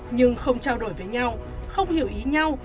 nhưng không trao đổi với nhau không hiểu ý nhau